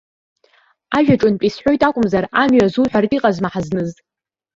Ажәаҿынтә исҳәоит акәымзар, амҩа азуҳәартә иҟазма ҳазныз.